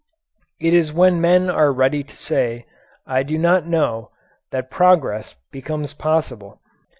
It is when men are ready to say, "I do not know," that progress becomes possible.